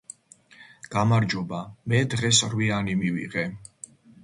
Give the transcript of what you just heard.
გამარჯობა მე დღეს რვიანი მივიღე